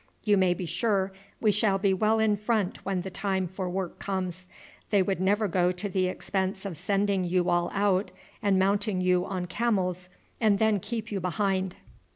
You may be sure we shall be well in front when the time for work comes. They would never go to the expense of sending you all out, and mounting you on camels, and then keep you behind."